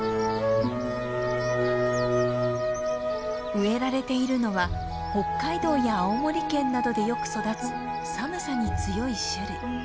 植えられているのは北海道や青森県などでよく育つ寒さに強い種類。